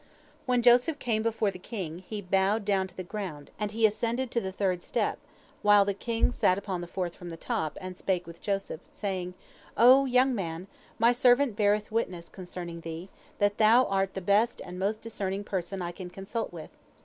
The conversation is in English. When Joseph came before the king, he bowed down to the ground, and he ascended to the third step, while the king sat upon the fourth from the top, and spake with Joseph, saying: "O young man, my servant beareth witness concerning thee, that thou art the best and most discerning person I can consult with.